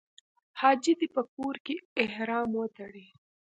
حاجي دې په کور کې احرام وتړي.